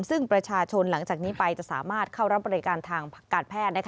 ซึ่งประชาชนหลังจากนี้ไปจะสามารถเข้ารับบริการทางการแพทย์